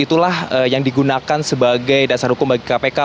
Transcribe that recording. itulah yang digunakan sebagai dasar hukum bagi kpk